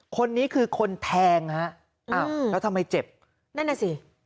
คนนี้คือคนแทงฮะอ้าวแล้วทำไมเจ็บนั่นน่ะสิ